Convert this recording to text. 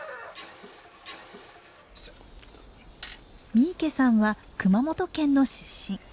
三池さんは熊本県の出身。